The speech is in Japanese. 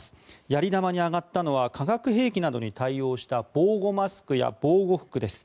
やり玉に挙がったのは化学兵器などに対応した防護マスクや防護服です。